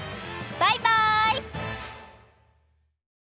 バイバイ！